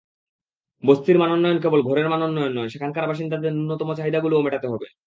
বস্তির মানোন্নয়ন কেবল ঘরের মানোন্নয়ন নয়, সেখানকার বাসিন্দাদের ন্যূনতম চাহিদাগুলোও মেটাতে হবে।